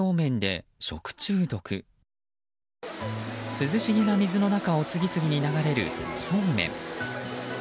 涼しげな水の中を次々に流れるそうめん。